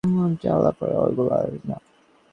আলাপ আর এগোল না।